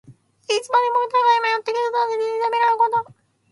いつまでも疑い迷って、決断せずにためらうこと。